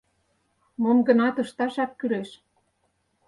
Мом-гынат ышташак кӱлеш...